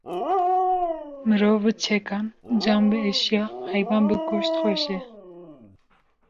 Mirov bi çekan, can bi eşya, heywan bi goşt xweş e